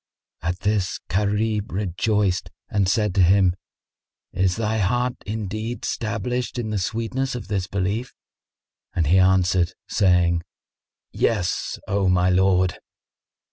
At this Gharib rejoiced and said to him, "Is thy heart indeed stablished in the sweetness of this Belief?" And he answered, saying, "Yes, O my lord!"